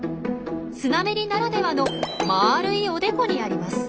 スナメリならではの丸い「おでこ」にあります。